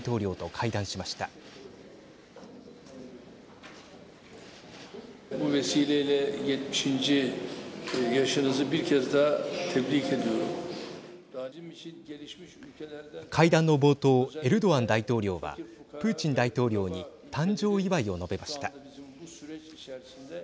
会談の冒頭エルドアン大統領はプーチン大統領に誕生祝いを述べました。